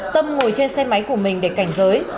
tâm ngồi trên xe máy của mình để cảnh giới